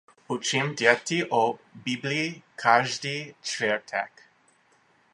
Učím děti o bibli každý čtvrtek.